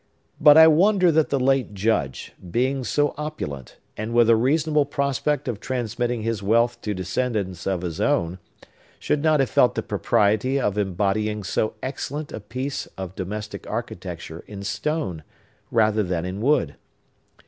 "But I wonder that the late Judge—being so opulent, and with a reasonable prospect of transmitting his wealth to descendants of his own—should not have felt the propriety of embodying so excellent a piece of domestic architecture in stone, rather than in wood.